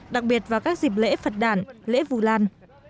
đặc biệt vào các dịp lễ phật đàn lễ vù lan